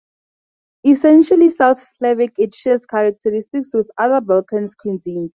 Essentially South Slavic, it shares characteristics with other Balkans cuisines.